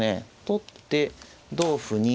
取って同歩に。